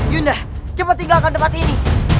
yunda cepat tinggalkan tempat ini